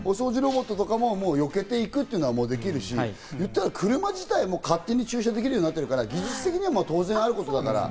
それもよけていくというのは、もうできるし、車自体も勝手に駐車できるようになってるから技術的には当然、あることだから。